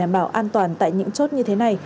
để đảm bảo an toàn tại những chốt như thế này